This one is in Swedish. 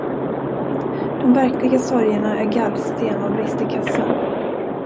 De verkliga sorgerna är gallsten och brist i kassan!